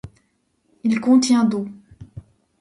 Il contient d'eau.